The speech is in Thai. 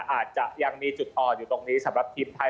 อาจจะยังมีจุดอ่อนอยู่ตรงนี้สำหรับทีมไทย